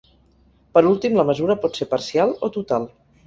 Per últim, la mesura pot ser parcial o total.